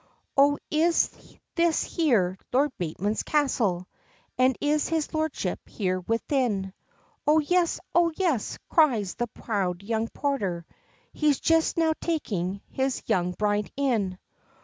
"O is this here Lord Bateman's castle, And is his lordship here within?" "O yes, O yes," cries the proud young porter, "He's just now taking his young bride in."